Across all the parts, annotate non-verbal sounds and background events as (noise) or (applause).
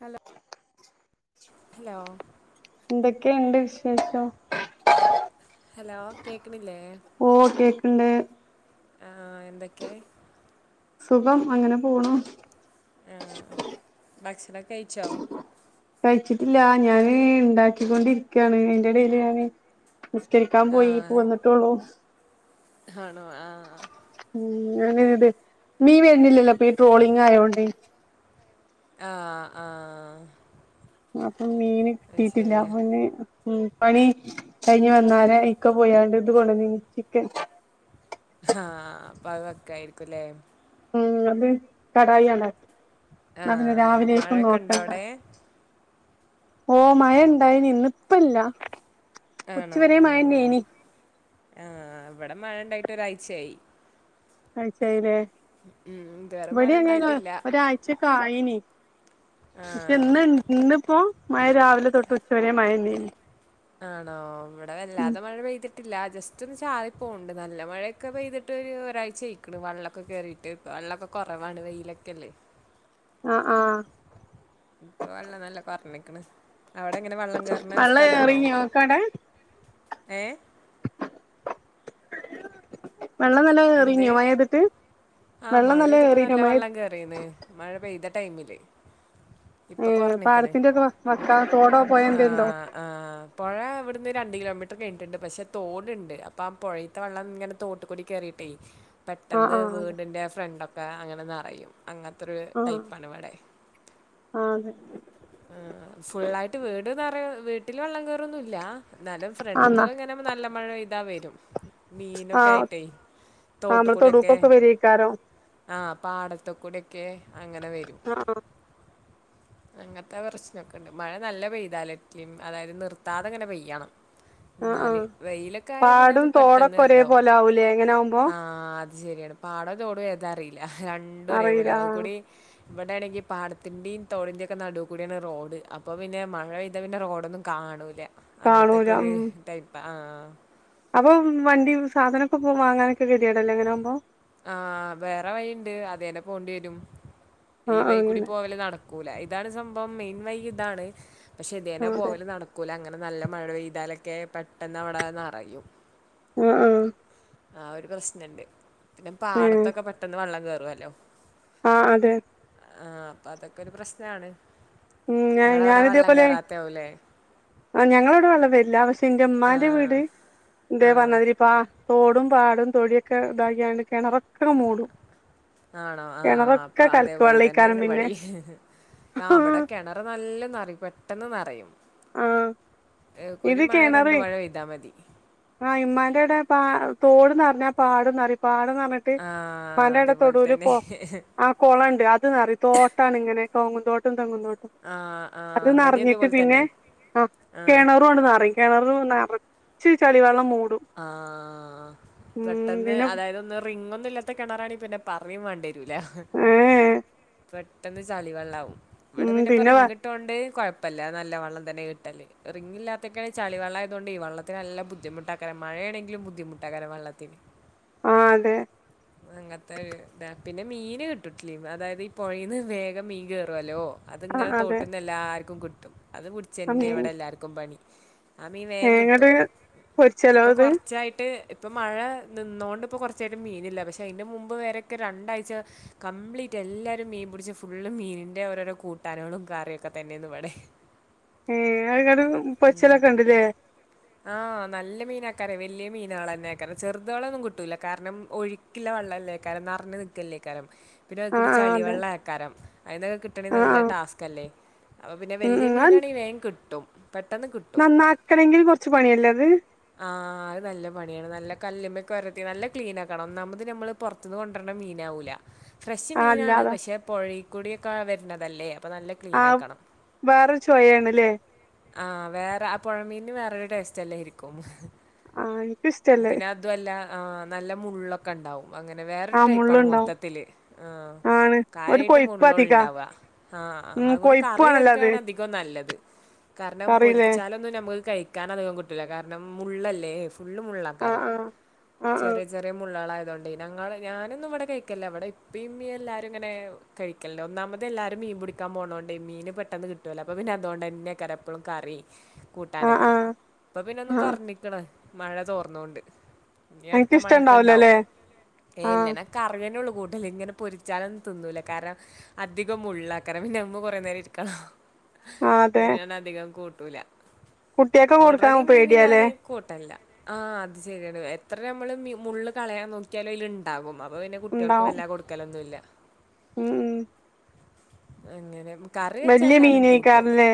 Hello hello എന്തൊക്കെണ്ട് വിശേഷം hello കേക്ക് ഓ കേക്കണ്ട് ആ എന്തൊക്കെയായി സുഖം അങ്ങനെ പോണു ആ ഭക്ഷണമൊക്കെ കഴിച്ചോ കഴിച്ചിട്ടില്ല ഞാന് ഉണ്ടാക്കിക്കൊണ്ടിരിക്കയാണ് അതിന്റ ഇടയിൽ ഞാന് നിസ്കരിക്കാൻ ആ പോയി ഇപ്പ വന്നിട്ടോള്ളൂ ആണോ ആ ഉ അങ്ങന ഇത് മീൻ വരുന്നില്ലല്ലോ ഈ ട്രോളിങ് ആയോണ്ട് ആ ആ അപ്പൊ മീന് അത് കിട്ടിട്ടില്ല ശരിയാ അപ്പൊ പണി കഴിഞ്ഞ്‌ വന്നാല ഇക്ക പോയാണ്ട് ഇത് കൊണ്ട് വന്നു ചിക്കൻ ആ അപ്പൊ അതൊക്കെ ആയിരിക്കുമല്ലേ ഉ അത് കടായി ആണ് ആ മഴക്കെ ഉണ്ടാ നോക്കണ്ട അവിടെ ഓ മഴ ഉണ്ടായി നിന്നിപ്പം ഇല്ല ഉച്ച വരെ മഴ ഉണ്ടായി നി- ആഹ ഇവിടെ മഴണ്ടായിട്ട് ഒരാഴ്ചയായി ആ ശരി (unintelligible) ഉം ഇതു വേറെ മഴ ഉണ്ടായിട്ടില്ല കായനി പക്ഷെ ആ ഇന്ന് ഇന്നിപ്പോ മഴ രാവിലെ തൊട്ട് ഉച്ച വരെ മഴ നീന് ആണോ ഇവിടെ വല്ലാതെ മഴ പെയ്തിട്ട ഇല്ല ജസ്റ്റ് ഒന്ന് ചാറി പോകുന്നുണ്ട് നല്ല മഴയൊക്കെ പെയ്തിട്ട് ഒരാഴ്ച ആയിക്കുന്ന് വെള്ളമൊക്കെ കയറിയിട്ട് വെള്ളൊക്കെ കുറവാണ് വെയിലൊക്കെല്ലേ ആ ആ ഇപ്പൊ വെള്ളം നല്ല കൊറഞ്ഞിക്കണ്. അവിടെ എങ്ങനെ വള്ളം കയറണ വെള്ളം സ്ഥലാണോ ഏറീനോ ഇങ്ങക്കവിടെ ഏ വെള്ളം നല്ലോം എന്ത് ഏറീനോ മഴെയ്തിട്ട് ആ വെള്ളം മഴ നല്ലോം പെയ്തിപ്പോ ഏറീനോ നല്ല മഴ വെള്ളം കേയറിയന്ന് മഴ പെയ്ത ടൈമില് ഏഹ് പാടത്തിന്റെ ഒക്കെ വക്കാ തോടോ പൊഴേ എന്തേലും ഉണ്ടോ ആഹ് ആഹ് പൊഴ അവിട്ന്ന് രണ്ട് കിലോമീറ്റർ കഴിഞ്ഞിട്ടുണ്ട്. പക്ഷെ തോടുണ്ട് അപ്പൊ ആ പൊഴിത്തെ വള്ളം ഇങ്ങനെ തോട്ട്കൂടി കേറീട്ടേ പെട്ടെന്ന് ആഹ് ആഹ് അതെ വീടിൻ്റെ ഫ്രണ്ടൊക്കെ അങ്ങനെ ന്നറയും. അങ്ങത്തൊരു ആഹ് ടൈപ്പാണ് ഇവിടെ. ആഹ് അതെ ആ ഫുള്ളായിട്ട് വീട് നിറ വീട്ടിൽ വള്ളം കയറൊന്നുംല്ല. എന്നാലും ആന്നാ ഫ്രണ്ട്ക്കൊക്കെ ഇങ്ങനെ നല്ല മഴെയ്താ വരും. ആ മീനൊക്കെ ആയിട്ടേ ആമ്മളെ തൊടൂകൊക്കെ വരേക്കാരം. (unintelligible) ആഹ് പാടത്തെക്കൂടൊക്കെ അങ്ങനെ വരും. ആഹ് അങ്ങ അങ്ങനത്തെ പ്രശ്നമൊക്കെ ഉണ്ട്. മഴ നല്ല പെയ്താലൊക്കിം അതായത് നിർത്താതെങ്ങനെ പെയ്യണം. ആഹ് ആഹ് ന്നാല് ആഹ് വെയിലൊക്കെ ആയാ പിന്നെ അത് പാടും തോടൊക്കെ പെട്ടെന്ന് ഒരേ താവും പോലെ ആവൂലേ ഇങ്ങനെ ആവുമ്പോ ആ ശരിയാണ് പാടംതോടും ഏതാറീല രണ്ടും അറിയില്ല ഒരേപോലെയാവും ആഹ് അയ്ക്കൂടി ഇവിടെണെങ്കി പാടത്തിന്റീം തോടിന്റെക്കെ നടു കൂടിയാണ് റോഡ്. അപ്പോ പിന്നെ മഴ പെയ്താ പിന്നെ റോഡൊന്നും കാണൂല. അങ്ങത്തൊക്കൊരു ടൈപ്പ ആഹ് അപ്പോം വണ്ടിം സാധനൊക്കെ പോ വാങ്ങാനൊക്കെ ഗതിയേടല്ലെ അങ്ങനാവുമ്പോ. ആഹ് വേറെ വഴിണ്ട് അതേനെ പോണ്ടെരും. ഈ ആഹ് ആഹ് വൈകൂടി അങ്ങനെ പോവല് നടക്കൂല. ഇതാണ് സംഭവം മെയിൻ വൈ ഇതാണ്. പക്ഷെ ഇതേനെ ആഹ് അതെ പോവല് നടക്കൂല അങ്ങനെ നല്ല മഴ പെയ്താലൊക്കെ പെട്ടെന്ന് അവിടെ നറയും. ആഹ് ആഹ് ആ ഒരു പ്രശ്നണ്ട് പിന്നെ ഏഹ് പാടത്തൊക്കെ പെട്ടന്ന് വെള്ളം കേറുവല്ലോ ആഹ് അതെ. ആഹ് അപ്പം അതൊക്കെ ഒരു പ്രശ്നാണ്. ഉം ഞാ ഞാനിതേപോലെ കയറാത്തയാവൂലേ ആഹ് ഞങ്ങളവടെ വെള്ളം വരില്ല, പക്ഷേ ഇന്റെ ആ ഉമ്മാന്റെ വീട് ഇത് ആ പറഞ്ഞാതിരി ഇപ്പ തോടും പാടം തൊടിയൊക്കെ ഇതാകിയാണ്ട് കെണറൊക്കെ മൂടും. ആണോ ആഹ് അപ്പൊ കിണറൊക്കെ കലക്ക് അതേപോലെ വെള്ളേക്കാരം തന്നെയാണ് പിന്നെ ഇവടിം ആഹ് ഇവിടെക്ക് കെണറ് നല്ലോം നറയും പെട്ടെന്ന് നറയും. ആഹ് ഏഹ് ഒരു ഇത് മഴ രണ്ട് കിണറ് മഴ പെയ്താമതി. ആഹ് ഇമ്മാന്റെടെ പ തോട് നറഞ്ഞാ പടോം നറീം പാട് ന്നറഞ്ഞിട്ട് ആ ഇമ്മാൻ്റാടെ അതേപോലെ തൊടൂല് തന്നെ. കൊ ആഹ് കൊളണ്ട് അത് നറിം തോട്ടാണ് ഇങ്ങനെ കൗങ്ങുന്തോട്ടോം തെങ്ങുന്തോട്ടോം ആ, ആ അത് ഇവടിം നറഞ്ഞിട്ട് അതേപോലെ പിന്നെ തന്നെ. ആഹ് ആ. കെണറു ആണ്ട് നറീം കെണറും നറച്ച് ചളി വെള്ളം മൂ ആഹ് പെട്ടെന്ന് പിന്നെ അതായതൊന്ന് റിംഗ് ഒന്നുല്ലാ ത്ത കെണറാണെ പിന്നെ പറയും വേണ്ടി വെരൂല, ഏ പെട്ടെന്ന് ചളി വെള്ളാവും. ഇവിടെ ഉം പിന്നെ ഇപ്പൊ വ റിങ്ങിട്ടോണ്ട് കൊയപ്പ് പ്പല്ല നല്ല വെള്ളം തന്നെ കിട്ടല്. റിങ്ങില്ലാത്തക്കെയാണെ ചളി വെള്ളായതോണ്ടേയ് വെള്ളത്തിന് നല്ല ബുദ്ധിമുട്ടാ ഏഹ് മഴയണെങ്കിലും ബുദ്ധിമുട്ടാ കാരണം വെള്ളത്തിന്. ആഹ് അതെ ഇങ്ങൻത്തെ ഒര് ഇതാ പിന്നെ മീന് കിട്ടും (unintelligible) അതായത് ഈ പൊഴേന്ന് വേഗം മീൻ കേറോല്ലോ. ആ അത്ങ്ങനെ അതെ തോട്ട്ന്ന് എല്ലാർക്കും കിട്ട് അത് ആ പിടിച്ചെന്നെയാ മീൻ ഇവിടെ എല്ലാർക്കും പണി. ആ മീൻ വേം ഏ കിട്ടും ഇങ്ങട്ട് പൊരിച്ചലോ ഇപ്പൊ അത് കൊറച്ചായിട്ട് ഇപ്പൊ മഴ നിന്നോണ്ട് ഇപ്പോ കൊറച്ചായിട്ട് മീനില്ല, പക്ഷെ പക്ഷേ അയിന്റ മുമ്പേവരൊക്കെ രണ്ടാഴ്ച കംപ്ലീറ്റ് എല്ലാരും മീൻ പിടിച്ച് ഫുള്ള് മീനിൻ്റെ ഓരോരോ കൂ കൂട്ടാനേളും കാറിയൊക്കെ തന്നെയന്നു ഇവിടെ. ഏഹ് (inaudible) പൊരിച്ചലൊക്കെ ഉണ്ട്ല്ലേ ആഹ് നല്ല മീനാക്കാരം വല്യ മീനെളെന്നെക്കാരം ചെറുതളൊന്നും കിട്ടൂല്ല കാരണം ഒഴുക്കില്ല വള്ള ല്ലേക്കാരം നറഞ്ഞ് നിക്കല്ലേക്കാരം പിന്നെ ആ കുടി ആ അതെ ചളിവള്ളാക്കാരം അയിന്ന് കിട്ടണെ ആ ആ നല്ല ടാസ്കല്ലേ അപ്പൊ പിന്നെ ഉം വല്ല്യ ഉം അത് മീനാണെങ്ങി വേം കിട്ടും പെട്ടന്ന് കിട്ടും നന്നാക്കണെങ്കിൽ കൊറച്ച് പണിയല്ലേ അത് ആഹ് അത് നല്ല പണിയാണ് നൽ ല്ല കല്ലുമ്മെക്കൊരതി നല്ല ക്ലീനാക്കണം ഒന്നാമത് ഞമ്മള് പൊറത്ത്ന്ന് കൊണ്ടര്ണ മീനാവൂല ഫ്രഷ് ആ മീനാണ് അല്ലാതാ പക്ഷേ പൊഴേക്കൂടിയൊക്കാ വര്ണതല്ലേ ആഹ് വേറൊരു ചൊയേണ്ല്ലേ ആഹ് വേറ ആഹ് പുഴമീന്ന് വേറൊരു ടേസ്റ്റല്ലേരിക്കും ആ എനിക്കിഷ്ടല്ല പിന്നെ അതുവല്ല ആഹ് നല്ല മുള്ളൊക്കണ്ടാവും അങ്ങനെ ആ വേറൊരു ടൈപ്പാണ് മുള്ളുണ്ടാവും മൊത്തത്തില് ആഹ് ആണ് ഒരു കാര്യായിട്ട് കൊഴുപ്പ് അധികാ മുള്ളോളിണ്ടാവ ആഹ് ആഹ് ആഹ് ഉം അതുങ്ങൊണ്ട് കൊഴുപ്പു കറി ആണല്ലോ അത് വെക്കാണ് അധികോം നല്ലത് കാരണം കറില്ലേ പൊരിച്ചാലൊന്നും നമക്ക് കഴിക്കാൻ നധികോം കിട്ടൂല കാരണം മുള്ളല്ലേ ഫുള്ളും മുള്ളാക്കാരം ആഹ് ആഹ് ആഹ് ചെറിയ ചെറിയ മുള്ളാളായത് അതോണ്ടേ നങ്ങള് ഞാനൊന്നും ഇവടെ കഴിക്കല്ല ഇവടെ ഇപ്പേയിമ്മേം എല്ലാരുങ്ങനെ കഴിക്കൽണ്ട് ഒന്നാമത് എല്ലാരും മീ മീൻ പുടിക്കാൻ പോണോണ്ടേ മീന് പെട്ടെന്ന് കിട്ടുവലോ അപ്പൊ പിന്നെ അതോണ്ടന്നേക്കാരം എപ്പളും കറീ ആഹ് കൂട്ടാനൊക്കെ ആഹ് ഇപ്പൊ പിന്നെ ഒന്ന് ആഹ് ആഹ് കുറഞ്ഞിക്ക്ണ് മഴ തോർന്നോണ്ട് ഇനി അടുത്ത മഴക്ക്ണ്ടാവും അനക്കിഷ്ടണ്ടാവൂലല്ലേ ഏഹ് ഇല്ല ആഹ് നാ കറിയന്നുള്ളൂ കൂട്ട് ട്ടല് ഇങ്ങനെ പൊരിച്ചാലൊന്നും തിന്നൂല കാരണം അധികം മുള്ളാക്കരം പിന്നെ നമ്മ കൊറേ നേരം ഇരിക്കണം ആഹ് അത് അതെ ഞാനധികം കൂട്ടൂല കുട്ട്യേക്ക് ഓൾറെഡി കൊടുക്കാൻ മീന് പേടിയാല്ലേ ഞാന് കൂട്ടല്ല ആഹ് അത് ശരിയാണ് എത്ര നമ്മള് മീ മുള്ള് കളയാൻ നോക്കിയാലു അയിലിണ്ടാവും അപ്പ പിന്നെ കുട്ടികൾക്ക് ഉണ്ടാവും വല്ലാ കൊടുക്കലൊന്നുല്ല ഉം ഉം അങ്ങനെ കറി വെച്ചാ വല്യ എല്ലാരും കൂട്ടും മീനേക്കാരല്ലേ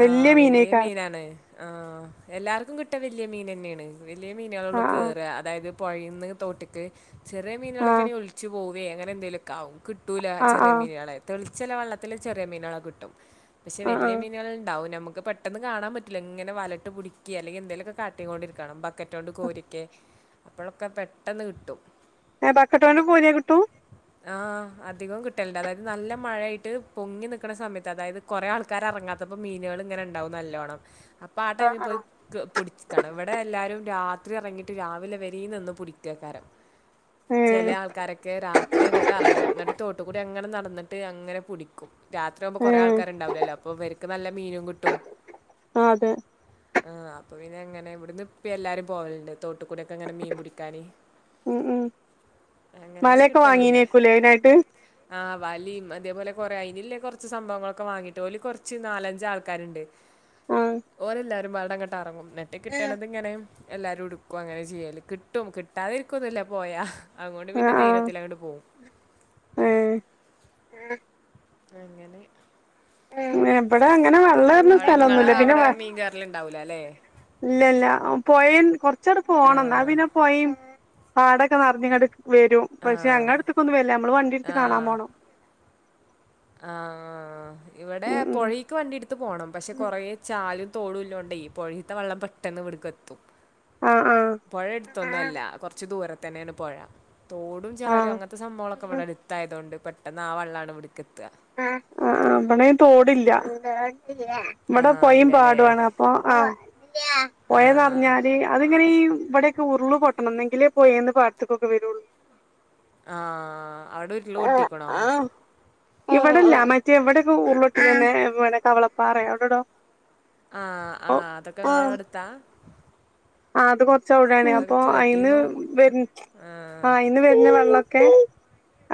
വല്യ വെലിയേ മീനേക്കാരം മീനാണെ- ആഹ് എല്ലാർക്കും കിട്ടാ വലിയ മീനന്നേണ് വലിയ മീനുകളൊള്ളൂ ആഹ് കേറ്ആ അതായത്- പൊഴേന്ന് തോട്ടിക്ക് ചെറിയ ആഹ് മീനുകളൊക്വണേ ഒലിച്ച് പോവേ അങ്ങനെ എന്തേലും- കാവും കിട്ടൂലാ ആഹ് ആഹ് ചെറിയ ആഹ് മീന്കളെ തെളിച്ചല്ല വള്ളത്തില് ചെറിയ മീന്കള കിട്ടും- പക്ഷെ ആഹ് വല്ല്യ ആഹ് മീനുകൾണ്ടാവും നമ്മുക് ക്ക് പെട്ടന്ന് കാണാൻ പറ്റ്ല്ല ഇങ്ങനെ വലട്ട് കുട്ക്കി അല്ലെങ്കി എന്തേലൊക്കെ കാട്ടികോണ്ടിരിക്കണം ബക് ക്കറ്റോണ്ട് കോരിക്കെ അപ്പളൊക്കെ പെട്ടന്ന് കിട്ടും- ഏഹ് ബക്കറ്റോണ്ട് കോരിയ കിട്ടൂ- ആഹ് അധികവും കിട്ടൽണ്ട് അതായത് നല്ല- മഴേയിട്ട് പൊങ്ങി നിക്കണ സമയത്ത് അതായത് കൊറേ ആൾക്കാരെറങ്ങാത്തപ്പോ മീനുകള്ങ്ങനെ ഇണ്ടാവും നല്ലോണം- അപ്പാആ ആഹ് ടൈമീ പോയി ആഹ് ക് പുടിച്ക്കണം ഇവിടെ എല്ലാരും രാത് ത്രി എറങ്ങീട്ട് രാവിലെ വരേ നിന്ന് പുടിക്കേക്കാരം- ഏഹ് ചെലയാൾക്കാരൊക്കെ രാത്രി അങ്ങ്ട്ടെറങ്ങും ന്നട്ട് തോട്ടു കൂടിയങ്ങനെ നടന്നട്ട് ട്ട് അങ്ങനെ പുടിക്കും രാത്രി ആവുമ്പോ കൊറേ ഏഹ് ആൾക്കാര്ണ്ടാവൂലല്ലോ അപ്പൊ ഇവര്ക്ക് നല്ല- മീനും കിട്ടും ആഹ് അതെ ആഹ്- പിന്നെ എങ്ങനെ ഇവിട്ന്ന് ഉപ്പെയെല്ലാരും പോകല്ണ്ട് തോട്ട്ക്കൂടെയൊക്കങ്ങനെ മീൻ പുടിക്കാന്- ഉം ഉം അങ്ങനെക്കെ വലയൊക്കെ കിട്ടല്ണ്ട് വാങ്ങീനേക്കൂലേ അയിനായിട്ട് ആഹ് വലീം അതേപോലെ കൊറെ അയിനില്ലെ കൊറച്ച് സംഭവങ്ങളൊക്കെ വാങ്ങീട്ടോല് കൊറച്ച് നാലഞ്ചാൾക്കാര്ണ്ട്- ആഹ് ഓരെല്ലാരുംപാടെ അങ്ങട്ടെറങ്ങും ന്നട്ട് കിട്ടണത്ങ്ങനെ എല്ലാരും എടുക്കു ക്കു അങ്ങനേ ചെയ്യല് കിട്ടും കിട്ടാതിരിക്കൊന്നുല്ല പോയാ- അങ്ങോണ്ട് ആഹ് പിന്നെ ആഹ് ധൈര്യത്തിലങ്ങട് പോവും- ഏഹ് (unintelligible) അങ്ങനെ- ഏഹ് വ്വടെ അങ്ങനെ വെള്ളേര്ണ അവിടെ ഇങ്ങളെ സ്ഥലൊന്നുല്ല പിന്നെ അവിടെ വാ മീൻ കേറലുണ്ടാവൂലല്ലേ ഇല്ല്യല്ലാ ആ പൊയേണ് ച്ചട് പോണം ന്നാ ആഹ് പിന്നെ പൊയിം പാടൊക്കെ നെറഞ്ഞ് ഇങ്ങട് വെരും പക്ഷെ ആഹ് ഞങ്ങളട്ത്ത്ക്കൊന്നും വര്ല്ല ഞമ്മള് വണ്ടി ഇട്ത്ത് കാണാൻ ആഹ് പോണം. ആഹ് ഇവടെ ഉം ഉം പൊഴേക്ക് വണ്ടി ഇട്ത്ത് പോണം പക്ഷെ കൊറേ ചാലും തോടൂല്ലോണ്ടേ പൊഴീത്ത വള്ളം പെട്ടെന്ന് ഇവ്ട്ക്കെത്തും. ആഹ് ആഹ് പൊഴട്ത്തൊന്നും അല്ല കൊറച്ച് ദൂരത്തന്നേണ് പൊഴ. തോടും ചാലും ആഹ് അങ്ങത്തെ സംഭവങ്ളൊക്കെ ഇവടെ എര്ത്തായതോണ്ട് പെട്ടെന്ന് ആ വള്ളാണ് ഇവിട്ക്കെത്ത. അ ആഹ് ഇവടെ അയ്ന് തോടില്ല. ഇവടെ ആ പൊയിം ഇല്ലല്ലേ പാട്വാണ് അപ്പൊ ആഹ് ആ പൊയ നറഞ്ഞാല് അതിങ്ങനെ ഈ ഇവിടെക്കെ ഉരുള് പൊട്ടണം എന്നെങ്കിലേ പോയേന്ന് പാടത്ത്ക്കൊക്കെ വരൊള്ളൂ. ആഹ് അവടെ ഉരുള് പൊട്ടീക്ക്ണോ? ഇവടെല്ല മറ്റേ എവ്ടെപ്പൊ ഉറ്ളൊട്ടീക്കെന്നെ അത് പോലെ കവളപ്പാറേ അവടെടോ ആഹ് ആഹ് അതൊക്കെ ഇങ്ങളവടെ അടുത്താ? ആഹ് അത് കൊറച്ച് അവടേണേ അതൊക്കെ അപ്പൊ അയിന്ന് കേട്ടിരുന്നു വര് ആഹ് അയിന്ന് വര്ണ വള്ള ക്കെ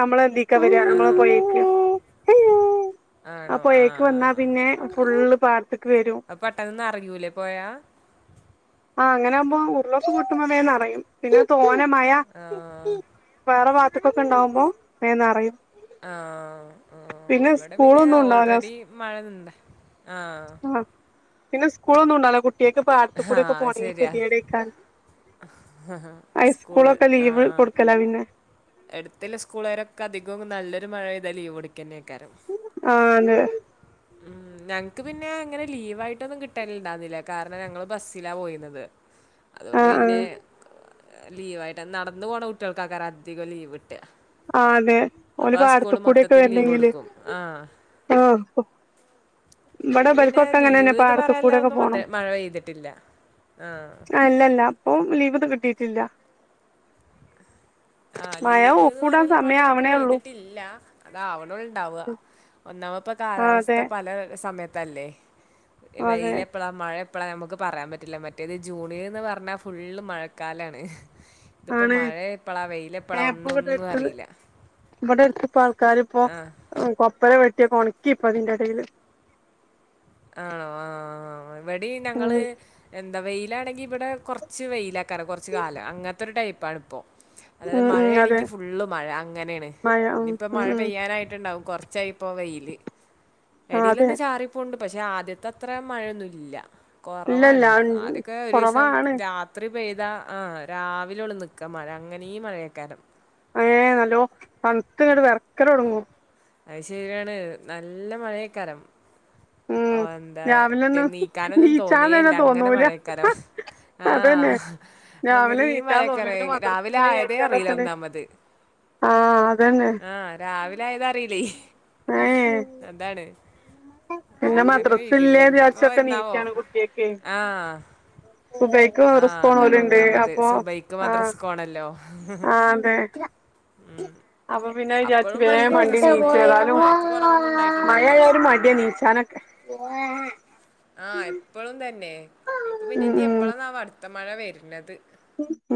നമ്മളെ ഇതീക്കാ വെരാ ആ നമ്മളെ പൊഴേക്ക്. ആ ആണോ പൊയേക്ക് ആ. വന്നാ പിന്നെ ഫുള്ള് പാടത്ത്ക്ക് വരും. അപ്പൊ പെട്ടെന്ന് അറിയൂലേ പോയാ ആഹ് അങ്ങനെ ആകുമ്പോ ഉരുളൊക്ക കൂട്ടുമ്പോേന്ന്റിയയും പിന്നെ തോന്ന മഴ ആ വേറെ വാത്തക്കൊക്കെ ഉണ്ടാവുമ്പോന്ന്റിയും ആഹ് ആഹ് ഇവിടെ പിന്നെ സ്കൂളൊന്നും ഉണ്ടാവൂല ഓൾറെഡി മഴ നിണ്ട് ആഹ് പിന്നെ സ്കൂളൊന്നും ഉണ്ടല്ലോ കുട്ട്യാൾക്ക് ആ പാടത്തൂടൊക്കെ പോണെങ്കി ശരിയാ കെത്യേടെക്കാരം സ്കൂള് ആ ലീവ് കൊടുക്കലാ പിന്നെ എടുത്തല്ല സ്കൂളുകാരൊക്കെ അധികവും നല്ലൊരു മഴ പെയ്ത ലീവ് എടുക്കന്നെക്കാരം ആഹ് അതെ ഉം ഞങ്ങക്ക് പിന്നെ അങ്ങനെ ലീവായി ട്ടൊന്നും കിട്ടലിണ്ടാവുന്നില്ല കാരണം ഞങ്ങള് ബസ്സിലാ പോയുന്നത് അതുകൊണ്ട് ആഹ് പിന്നെ ആഹ് ലീവായിട്ട് നടന്ന് പോണ കുട്ട്യാൾക്കാക്കാരം അധികം ലീവ് ഇട്ട് ആ അതെ ഓല് പാടത്ത് കൂടെക്കെ മൊത്തത്തിൽ ലീവ് വരണെങ്കില് കൊടുക്കും ആ ആ ഇപ്പൊ പിന്നെ ലീവ് എന്ന് പാടത്ത് പറയല്ല ഒന്നും വ മഴ പെയ്തിട്ടില്ല ആ അല്ലല്ല അപ്പൊ ലീവ് ഒന്ന് കിട്ടിട്ടില്ല ആഹ് ലീവ് അ പറയല്ല മഴയൊന്നും ഇപ്പോ ആവണേ ഉള്ളൂ പെയ്തിട്ടില്ല അതാവണ് ഉണ്ടാവുക ഒന്നാമ ഇപ്പൊ ആഹ് കാലാവസ്ഥ അതെ പല സമയത്തല്ലേ അതെ വെയില് എപ്പോളാ മഴ ഇപ്പളാ നമുക്ക് പറയാൻ പറ്റില്ല മറ്റേത് ജൂണന്ന് പറഞ്ഞാൽ ഫുള്ള് മഴക്കാലാണ് ഇതിപ്പോ മഴയ ഏ ഇപ്പ ഇവിടെ അടുത്ത് ഇവിടെ അടുത്ത് ഇപ്പ ആൾക്കാരി ഇപ്പോ കൊപ്പര വെട്ടി ഒണക്കി ഇപ്പ അതിന്റെ ഇടയ്യില് ആണോ ആഹ് ഇവിടെ ഞങ്ങള് ഉം എ എന്താ വെയിലാണെങ്കി ഇവിടെ കൊറച്ച് വെയില ആക്കാറ് കുറച്ച് കാലം അങ്ങനത്തെ ഒരു ടൈപ്പാണ് ഇപ്പോൊ അതായത് ഉം ഉം അതെ മഴയാണെങ്കി ഫുള്ള് മഴ അങ്ങനെയാണ് മഴ ഉം ഇനിയിപ്പോ ഉം മഴ ഉം പെയ്യാനായിട്ടുണ്ടാവും കുറ കുറച്ചായിപ്പോ വെയില് ആഹ് അതെ ഇടിയിലൊന്നും ചാറിപ്പോണ്ട് പക്ഷെ ആദ്യത്തെ അത്ര മഴയൊന്നുമല്ല ഇല്ലല്ല കൊറവാണ് ആദ്യൊക്കെ ഒരു ദിവസം കൊറവാണ് രാത്രി പെയ്താ ആഹ് രാവില ഒള്ളു നിക്കാ മഴ അങ്ങനെയ ഈ മഴയക്കാലം ഏ നല്ലോ തണുത്തിനട് വിറക്കല് തുടങ്ങോ അത് ശരിയാണ് നല്ല മഴയെക്കാലം ഉം ഓ എന്താ രാവിലെ ഒന്നും നീക്കാനൊ ഒന്നും നീച്ചാൻ തോന്നിയല്ല തന്നെ അങ്ങനെ തോന്നൂല മഴയക്കാരോ ആഹ അതന്നെ രാവിലെ നീച്ചാൻ തോന്നൂല പിന്നെ അങ്ങനെമഴക്കാരം രാവിലെ മദ്രസില്ലേ ആയതേ അറിയില വിചാരിച്ചാണ്ടൊക്കെണ് ഒന്നാമത് ആഹ് അതന്നെ ആഹ് രാവിലെ ആയത് അറിയില്ലേ ഏഹ് അന്താണ് പിന്നെ മദ്രസല്ലേ ഇനിയിപ്പോ വിചാരിച്ചൊക്കെ എന്നാവോ നീച്ചയാണ് കുട്ടിയൊക്കെ ദുബൈ ആഹ് അതാണ് ഒന്നാമത് സുബൈക്ക് മദ്രാസ്ക്ക് ആണല്ലോ അ പിന്നെ ചാരിച്ചി അപ്പോഴും വേ മഴ തന്നെക്കറ മണ്ടി നിച്ചി സുബൈ ആയാലും ജീയിച്ചതാലും മഴക്ക് കുറവൊന്നും മ ഉണ്ടായിട്ടുണ്ടാവില്ല മടിയ നീച്ചാനൊക്കെ ആഹ് എപ്പോഴും തന്നെ ഇപ്പ പിന്നെ ഉം ഇനി എപ്പഴാന്ന വടുത്ത മഴ വരുന്നത് ഉം ഉം